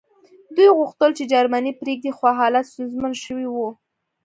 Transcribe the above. دوی غوښتل چې جرمني پرېږدي خو حالات ستونزمن شوي وو